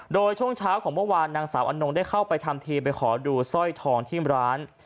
โดยช่วงเช้าของเมื่อวานนางสาวอนงได้เข้าไปทำทีไปขอดูสร้อยทองที่ร้าน